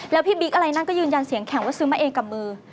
แล้วพี่บิ๊กอะไรนั่นก็ยืนยันเสียงแข็งว่าซื้อมาเองกับมือ